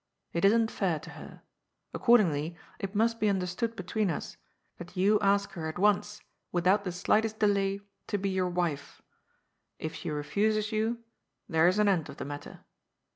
It isn't fair to her. Accordingly, it must be understood between us that you ask her at once, without the slightest delay, to be your wife. If she refuses you, there's an end of the matter.